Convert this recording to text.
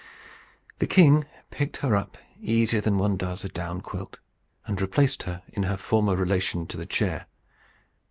The king picked her up easier than one does a down quilt, and replaced her in her former relation to the chair.